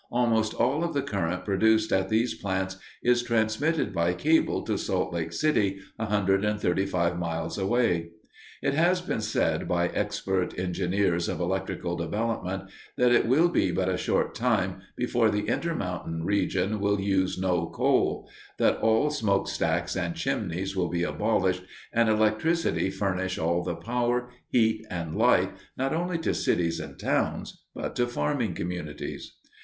Almost all of the current produced at these plants is transmitted by cable to Salt Lake City, 135 miles away. It has been said by expert engineers of electrical development that it will be but a short time before the intermountain region will use no coal, that all smoke stacks and chimneys will be abolished and electricity furnish all the power, heat, and light not only to cities and towns, but to farming communities.